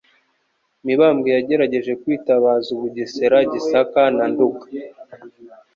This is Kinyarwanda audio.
Mibambwe yagerageje kwitabaza u Bugesera Gisaka na Nduga